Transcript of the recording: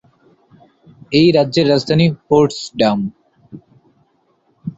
এই রাজ্যের রাজধানী পোট্সডাম।